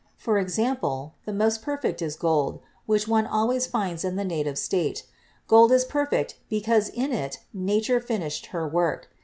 For example, the most perfect is gold, which one always finds in the native state. Gold is perfect because in it Nature finished her work.